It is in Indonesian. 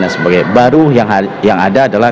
dan sebagainya baru yang ada adalah